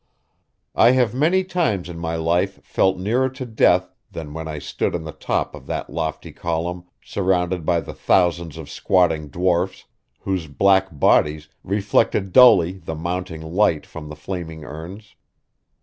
I have many times in my life felt nearer to death than when I stood on the top of that lofty column, surrounded by the thousands of squatting dwarfs, whose black bodies reflected dully the mounting light from the flaming urns.